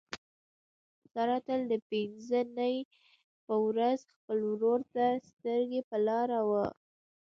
ساره تل د پینځه نۍ په ورخ خپل ورور ته سترګې په لاره وي.